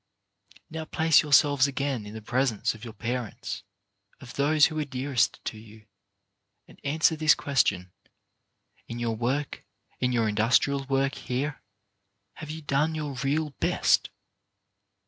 Now place yourselves again in the presence of your parents, of those who are dearest to you, and answer this question, In your work, in your in dustrial work here, have you done your real best